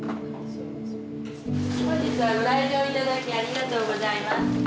本日はご来場頂きありがとうございます。